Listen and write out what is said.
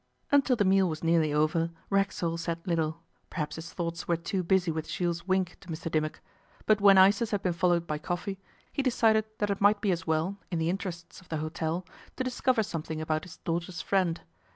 Until the meal was nearly over, Racksole said little perhaps his thoughts were too busy with Jules' wink to Mr Dimmock, but when ices had been followed by coffee, he decided that it might be as well, in the interests of the hotel, to discover something about his daughter's friend.